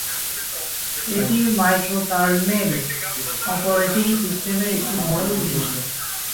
এটি microkernel operating সিস্টেমের একটি মডেল বৈশিষ্ট্য।